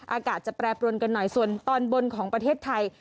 อากาศจะแปรปรวนกันหน่อยส่วนตอนบนของประเทศไทย